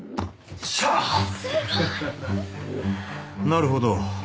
なるほど。